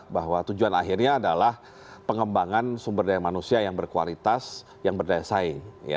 bahwa tujuan akhirnya adalah pengembangan sumber daya manusia yang berkualitas yang berdaya saing